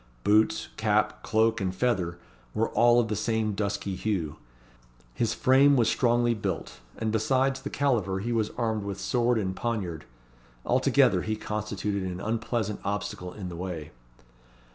Boots, cap, cloak, and feather, were all of the same dusky hue. His frame was strongly built, and besides the caliver he was armed with sword and poniard. Altogether, he constituted an unpleasant obstacle in the way.